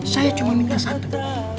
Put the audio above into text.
saya cuma minta satu